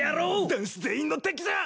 男子全員の敵だ！